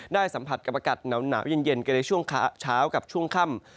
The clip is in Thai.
สัมผัสกับอากาศหนาวเย็นกันในช่วงเช้ากับช่วงค่ำ